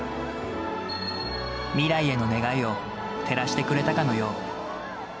未来への願いを照らしてくれたかのよう。